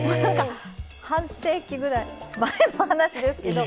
半世紀ぐらい前の話ですけど。